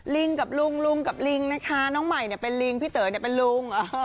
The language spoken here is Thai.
ลิงกับลุงลุงกับลิงนะคะน้องใหม่เนี่ยเป็นลิงพี่เต๋อเป็นลุง